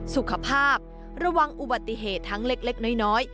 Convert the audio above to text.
สุขภาพระวังอุบัติเหตุทั้งเล็กน้อย